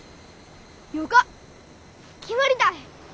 よか決まりたい。